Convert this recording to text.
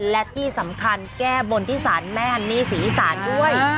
และที่สำคัญแก้บนที่ศาลแม่ฮันนี่ศรีอีสานด้วย